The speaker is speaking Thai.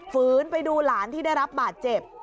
ฝืนไปดูหลานที่ได้รับบาดเจ็บ